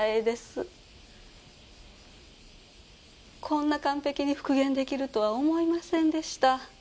こんな完璧に復元出来るとは思いませんでした。